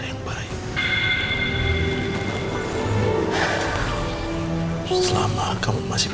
saya sudah tiba sama baba bicara sama kiwat